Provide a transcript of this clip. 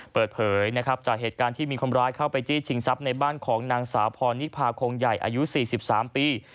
เปิดเผยนะครับจากเหตุการณ์ที่มีคนร้ายเข้าไปจี้ชิงทรัพย์ในบ้านของนางสาวพรนิพาคงใหญ่อายุ๔๓ปี